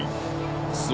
そう。